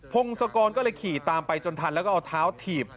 พงศกรก็เลยขี่ตามไปจนทันแล้วก็เอาเท้าถีบ